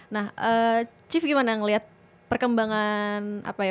nah cief gimana melihat perkembangan apa ya